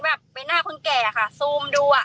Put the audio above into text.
แบบเป็นหน้าคนแก่ค่ะซูมดูอ่ะ